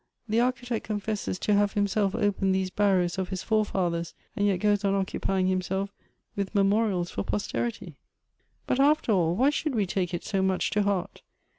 the Architect confesses to have himself opened these barrows of his forefathers, and yet goes on occupying himself with memorials for posterity." "But after all why should we take it so much to heart?